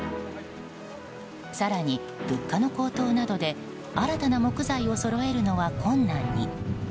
更に物価の高騰などで新たな木材をそろえるのは困難に。